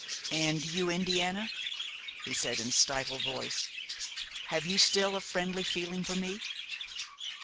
"And you, Indiana," he said in a stifled voice, "have you still a friendly feeling for me?"